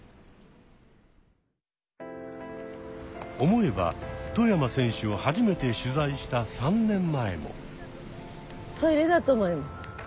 思えば外山選手を初めて取材した３年前も。